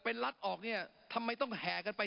เป็นรัฐออกเนี่ยทำไมต้องแห่กันไป